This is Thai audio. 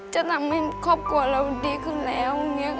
จะทำให้ครอบครัวเราดีขึ้นแล้ว